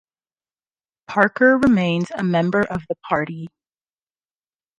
Parker remains a member of the party.